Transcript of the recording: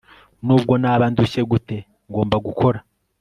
nubwo naba ndushye gute, ngomba gukora